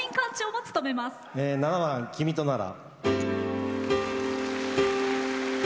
７番「君となら」。